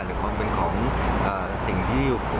หรือเขาถึงเป็นของสิ่งที่